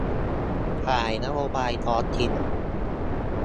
ฝ่ายนโยบายท้องถิ่น